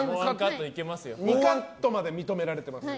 ２カットまで認められてます。